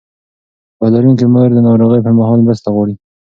پوهه لرونکې مور د ناروغۍ پر مهال مرسته غواړي.